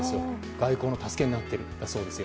外交の助けになっているそうですよ。